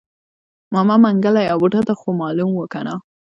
ماما منګلی او بوډا ته خومالوم و کنه.